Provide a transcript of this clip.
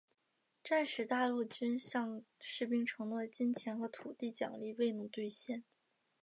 战时大陆军向士兵承诺的金钱与土地奖励未能兑现。